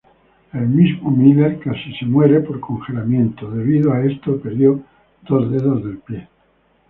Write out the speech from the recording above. Miller mismo casi muere por congelamiento; debido a esto perdió dos dedos del pie.